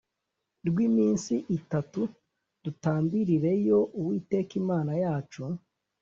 rw iminsi itatu dutambirireyo Uwiteka Imana yacu